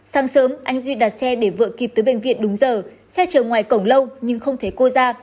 sáng sớm anh duy đặt xe để vợ kịp tới bệnh viện đúng giờ xe chở ngoài cổng lâu nhưng không thấy cô ra